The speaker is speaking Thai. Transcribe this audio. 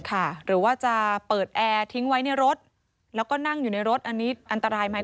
หรือว่าจะเปิดแอร์ทิ้งไว้ในรถแล้วก็นั่งอยู่ในรถอันนี้อันตรายไหม